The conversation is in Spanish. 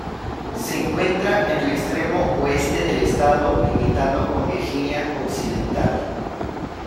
Se encuentra en el extremo oeste del estado, limitando con Virginia Occidental.